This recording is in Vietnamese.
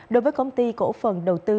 đối với công ty cổ phần đầu tư